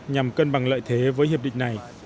nhằm cân bằng lợi thế với hiệp định này